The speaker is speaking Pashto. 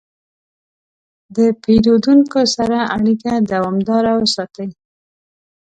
د پیرودونکو سره اړیکه دوامداره وساتئ.